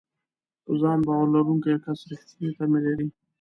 په ځان باور لرونکی کس رېښتینې تمې لري.